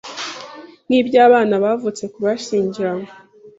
nk iby abana bavutse ku bashyingiranywe